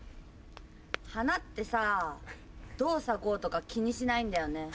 花ってさぁどう咲こうとか気にしないんだよね。